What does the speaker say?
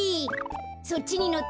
そっちにのって。